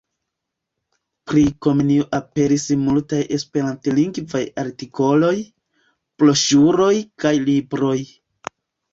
Pri Komenio aperis multaj esperantlingvaj artikoloj, broŝuroj kaj libroj.